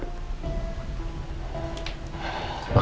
oke makasih pak al